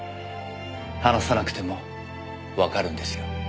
話さなくてもわかるんですよ。